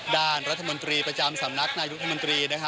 ด้านรัฐมนตรีประจำสำนักนายุทธมนตรีนะฮะ